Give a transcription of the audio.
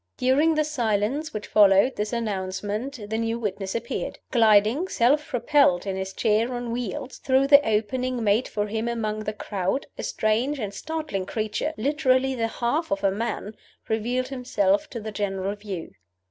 During the silence which followed this announcement the new witness appeared. Gliding, self propelled in his chair on wheels, through the opening made for him among the crowd, a strange and startling creature literally the half of a man revealed himself to the general view.